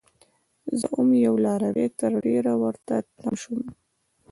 زه وم یو لاروی؛ تر ډيرو ورته تم شوم